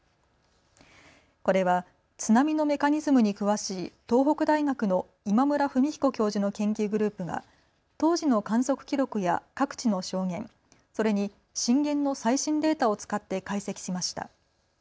これは津波のメカニズムに詳しい東北大学の今村文彦教授の研究グループが当時の観測記録や各地の証言、それに震源の最新データを使って解析しました。